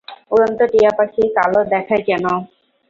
উড়ন্ত টিয়াপাখি কালো দেখায় কেন?